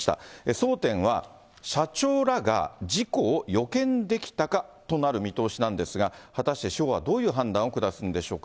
争点は、社長らが事故を予見できたかとなる見通しなんですが、果たして司法はどういう判断を下すんでしょうか。